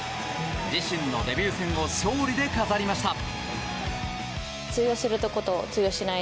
自身のデビュー戦を勝利で飾りました。